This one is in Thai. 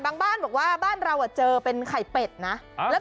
ตำรวจจับ